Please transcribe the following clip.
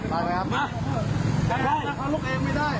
ได้นะถ้าเขารถเก๋งไม่ได้